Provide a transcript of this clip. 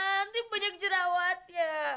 nanti banyak jerawatnya